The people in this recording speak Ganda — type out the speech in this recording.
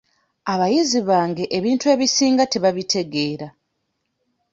Abayizi bange ebintu ebisinga tebabitegeera.